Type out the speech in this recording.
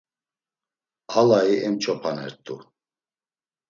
Alai emç̌opanert̆u.